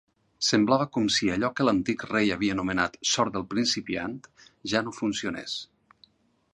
Semblava com si allò que l'antic rei havia anomenat "sort del principiant" ja no funcionés.